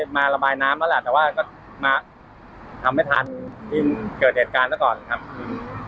แต่ส่วนหลายคนสงสัยปัจจุบันนี้มันจะยังไงต่อการแก้ไข